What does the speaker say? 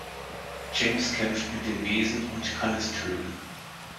James kämpft mit dem Wesen und kann es töten.